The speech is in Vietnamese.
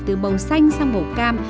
từ màu xanh sang màu cam